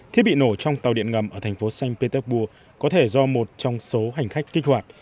thiết bị nổ trong tàu điện ngầm ở thành phố xanh petersburg có thể do một trong số hành khách kích hoạt